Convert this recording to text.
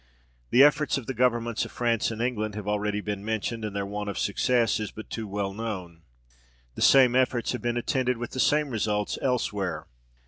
The efforts of the governments of France and England have already been mentioned, and their want of success is but too well known. The same efforts have been attended with the same results elsewhere.